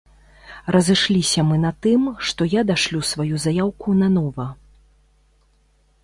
Разышліся мы на тым, што я дашлю сваю заяўку нанова.